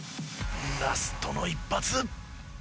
ラストの１発！